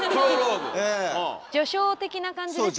序章的な感じですね？